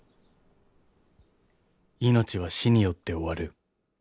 ［命は死によって終わる］